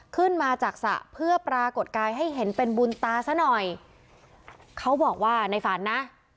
ขึ้นมาจากสระเพื่อปรากฏกายให้เห็นเป็นบุญตาซะหน่อยเขาบอกว่าในฝันนะ